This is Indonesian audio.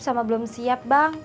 sama belum siap bang